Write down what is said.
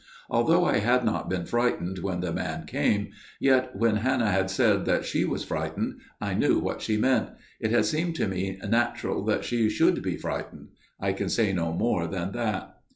Although I had not been frightened when the man came, yet, when Hannah had said that she was frightened, I knew what she meant. It had seemed to me natural that she should be frightened. I can say no more than that."